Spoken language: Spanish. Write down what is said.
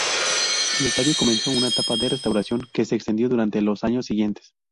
El estadio comenzó una etapa de restauración, que se extendió durante los años siguientes.